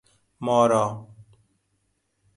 مارا